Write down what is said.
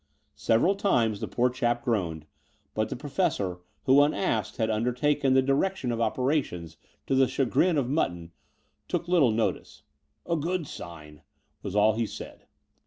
Several times the poor chap groaned ; but the Pro fessor, who, tmasked, had undertaken the direction 66 The Door of the Unreal of operations to the chagrin of Mutton, took little notice. '*A good sign," was all he said.